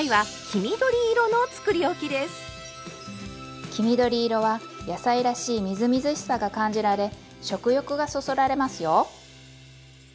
黄緑色は野菜らしいみずみずしさが感じられ食欲がそそられますよ！